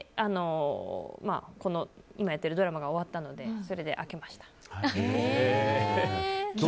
今やってるドラマが終わったのでそれで開けました。